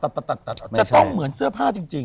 จะต้องเหมือนเสื้อผ้าจริง